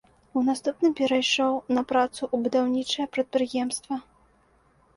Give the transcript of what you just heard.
У наступным перайшоў на працу ў будаўнічае прадпрыемства.